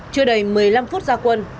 chưa đầy một mươi năm phút ra quân